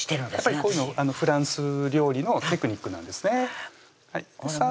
こういうのフランス料理のテクニックなんですねほら